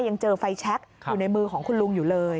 ยังเจอไฟแชคอยู่ในมือของคุณลุงอยู่เลย